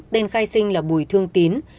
tên khai sinh là bùi thương tín